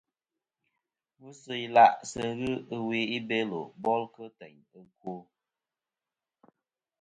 Ngvɨsɨ ila' sɨ ghɨ ɨwe i Belo bol kɨ teyn ɨkwo.